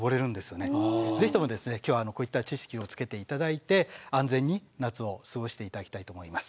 ぜひとも今日はこういった知識をつけて頂いて安全に夏を過ごして頂きたいと思います。